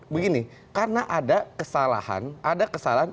begini karena ada kesalahan ada kesalahan